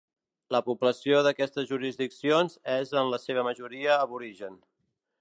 La població d'aquestes jurisdiccions és en la seva majoria aborigen.